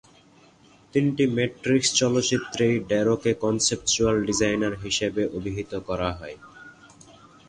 তিনটি ম্যাট্রিক্স চলচ্চিত্রেই ড্যারোকে "কনসেপচুয়াল ডিজাইনার" হিসেবে অভিহিত করা হয়।